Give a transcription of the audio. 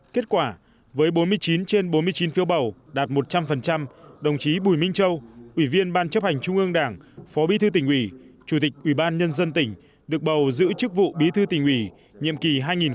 kết quả với bốn mươi chín trên bốn mươi chín phiếu bầu đạt một trăm linh đồng chí bùi minh châu ủy viên ban chấp hành trung ương đảng phó bí thư tỉnh ủy chủ tịch ủy ban nhân dân tỉnh được bầu giữ chức vụ bí thư tỉnh ủy nhiệm kỳ hai nghìn một mươi sáu hai nghìn hai mươi